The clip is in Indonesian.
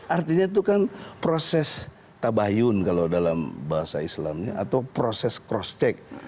artinya itu kan proses tabayun kalau dalam bahasa islamnya atau proses cross check